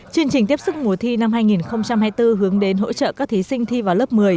chương trình tiếp sức mùa thi năm hai nghìn hai mươi bốn hướng đến hỗ trợ các thí sinh thi vào lớp một mươi